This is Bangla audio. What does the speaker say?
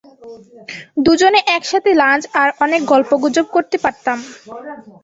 দুজনে একসাথে লাঞ্চ আর অনেক গল্পগুজব করতে পারতাম।